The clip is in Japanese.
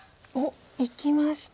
いきました。